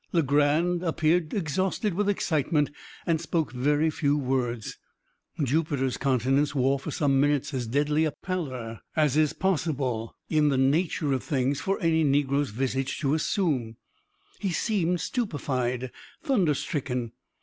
Legrand appeared exhausted with excitement, and spoke very few words. Jupiter's countenance wore, for some minutes, as deadly a pallor as it is possible, in the nature of things, for any negro's visage to assume. He seemed stupefied thunderstricken.